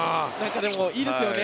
でも、いいですよね。